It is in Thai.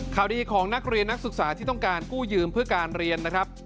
ข่าวดีของนักเรียนนักศึกษาที่ต้องการกู้ยืมเพื่อการเรียนนะครับ